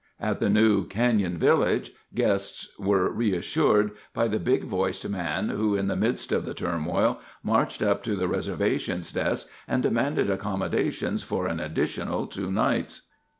At the new Canyon Village, guests were reassured by the big voiced man who, in the midst of the turmoil, marched up to the reservations desk and demanded accommodations for an additional two nights.